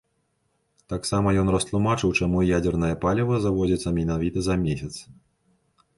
Таксама ён растлумачыў, чаму ядзернае паліва завозіцца менавіта за месяц.